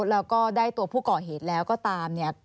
แล้วก็ได้ตัวผู้ก่อเหตุแล้วก็ตามเนี่ย